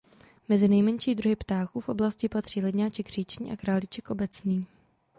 Mezi menší druhy ptáků v oblasti patří ledňáček říční a králíček obecný.